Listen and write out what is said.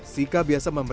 sika menggunakan sampel